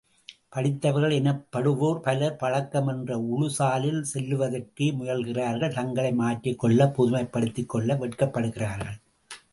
படித்தவர்கள் எனப்படுவோர் பலர், பழக்கம் என்ற உழுசாலில் செல்லுவதற்கே முயல்கிறார்கள் தங்களை மாற்றிக்கொள்ள புதுமைப்படுத்திக்கொள்ள வெட்கப்படுகிறார்கள் கூச்சப்படுகிறார்கள் பயப்படுகிறார்கள்.